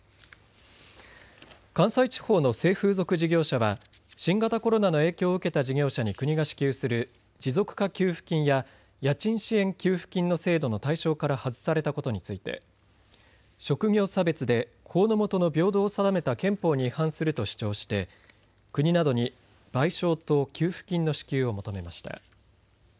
関西地方の性風俗事業者は新型コロナの影響を受けた事業者に国が支給する持続化給付金や家賃支援給付金の制度の対象から外されたことについて職業差別で法の下の平等を定めた憲法に違反すると主張して国などに賠償と給付金の支給を求めました。